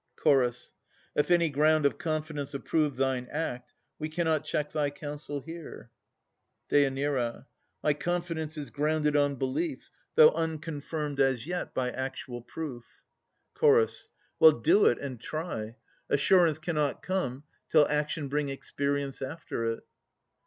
CH. If any ground of confidence approve Thine act, we cannot check thy counsel here. DÊ. My confidence is grounded on belief, Though unconfirmed as yet by actual proof. CH. Well, do it and try. Assurance cannot come Till action bring experience after it.